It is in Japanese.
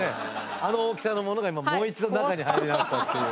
あの大きさのものが今もう一度中に入りましたっていう。